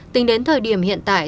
tính đến thời điểm hiện tại